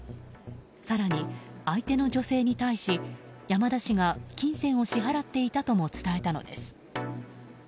更に、相手の女性に対し山田氏が金銭を支払っていたとも伝えたのです。